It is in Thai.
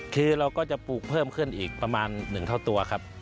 คือเราก็จะปลูกเพิ่มขึ้นอีกประมาณ๑เท่าตัวครับ